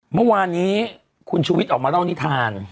เหมือนว่านี้ขุนชุวิตออกมาเล่านิทาน